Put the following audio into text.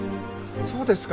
そうですか。